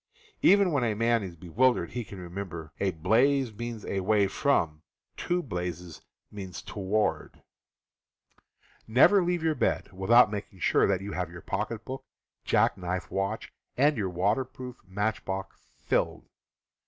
Even when a man is bewildered he can re member ''A blaze means a way from; two blazes mean to ward.'' 188 CAMPING AND WOODCRAFT Never leave your bed without making sure that you have your pocketbook, jackknife, watch, and your waterproof matchbox filled.